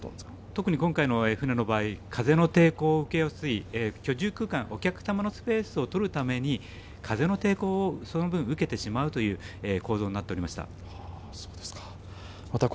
特に今回の船の場合、風の抵抗を受けやすい、居住空間、お客様のスペースを取るために風の抵抗をその分、受けてしまうという構造になっておりました。